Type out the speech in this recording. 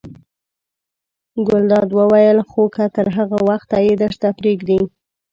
ګلداد وویل: خو که تر هغه وخته یې درته پرېږدي.